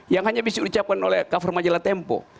yang hanya bisa diucapkan oleh cover majalah tempo